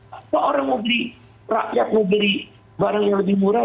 kalau orang mau beli rakyat mau beli barang yang lebih murah